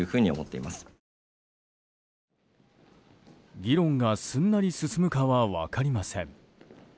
議論がすんなり進むかは分かりません。